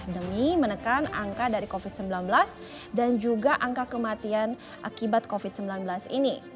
demi menekan angka dari covid sembilan belas dan juga angka kematian akibat covid sembilan belas ini